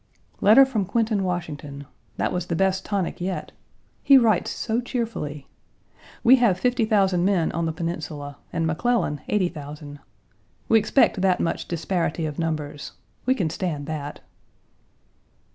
Letter from Quinton Washington. That was the best tonic yet. He writes so cheerfully. We have fifty thousand men on the Peninsula and McClellan eighty thousand. We expect that much disparity of numbers. We can stand that.